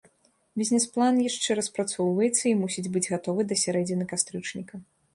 Бізнес-план яшчэ распрацоўваецца і мусіць быць гатовы да сярэдзіны кастрычніка.